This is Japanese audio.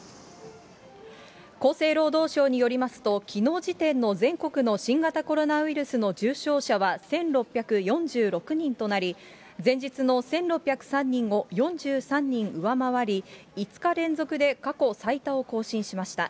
厚生労働省によりますと、きのう時点の全国の新型コロナウイルスの重症者は１６４６人となり、前日の１６０３人を４３人上回り、５日連続で過去最多を更新しました。